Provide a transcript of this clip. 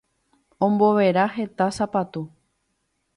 Ombovera heta sapatu.